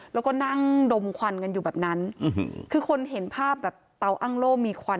แล้วก็นั่งดมควันกันอยู่แบบนั้นคือคนเห็นภาพแบบเตาอ้างโล่มีควัน